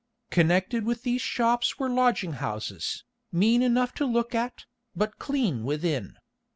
Connected with these shops were lodging houses, mean enough to look at, but clean within.